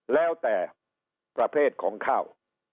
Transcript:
แล้วแต่ประเภทของข้าว